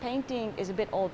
jadi anda bisa melihat